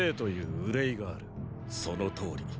そのとおり。